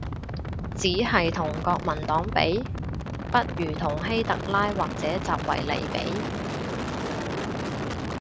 只係同國民黨比？，不如同希特拉或者習維尼比